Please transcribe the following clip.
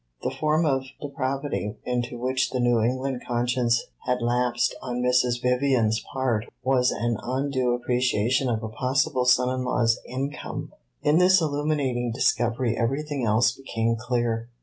The form of depravity into which the New England conscience had lapsed on Mrs. Vivian's part was an undue appreciation of a possible son in law's income! In this illuminating discovery everything else became clear.